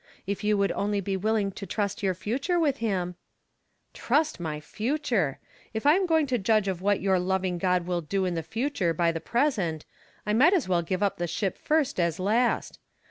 If you would only be willing to trust your future with Him —"" Trust my future ! If I am to judge of what your loving God will do in the future by the present, I might as well give up the sliip first as last.